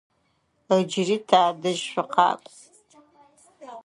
Ыджыри тадэжь шъукъакӏо.